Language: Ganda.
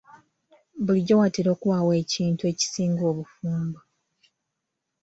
Bulijjo watera okubaawo ekintu ekisinga obufumbo.